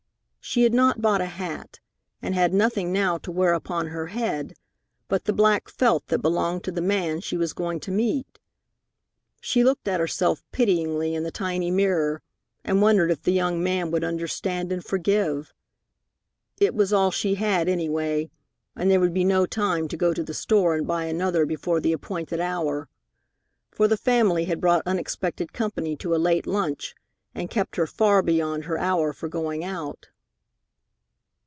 She had not bought a hat, and had nothing now to wear upon her head but the black felt that belonged to the man she was going to meet. She looked at herself pityingly in the tiny mirror, and wondered if the young man would understand and forgive? It was all she had, any way, and there would be no time to go to the store and buy another before the appointed hour, for the family had brought unexpected company to a late lunch and kept her far beyond her hour for going out.